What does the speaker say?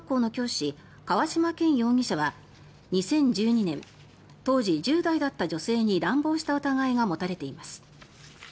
東京・江東区の区立小学校の教師河嶌健容疑者は、２０１２年当時１０代だった女性に乱暴した疑いが持たれています。